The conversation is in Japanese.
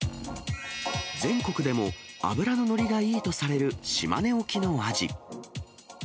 全国でも脂の乗りがいいとされる島根沖のアジ。